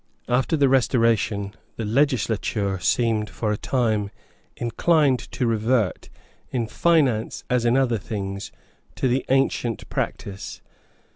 After the Restoration the legislature seemed for a time inclined to revert, in finance as in other things, to the ancient practice.